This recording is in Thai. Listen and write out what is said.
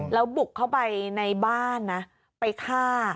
แล้วบุกเข้าไปในบ้านนะไปฆ่า